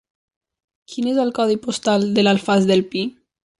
Quin és el codi postal de l'Alfàs del Pi?